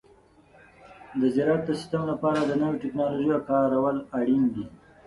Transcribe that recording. د زراعت د سیستم لپاره د نوو تکنالوژیو کارول اړین دي.